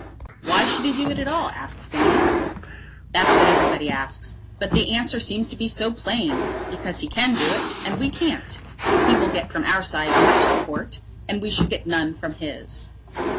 "Why should he do it at all?" asked Phineas. "That's what everybody asks, but the answer seems to be so plain! Because he can do it, and we can't. He will get from our side much support, and we should get none from his."